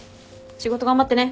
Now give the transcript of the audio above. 仕事頑張ってね。